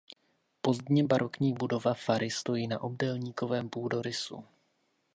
Pozdně barokní budova fary stojí na obdélníkovém půdorysu.